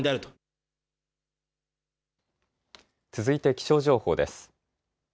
続いて気象情報です。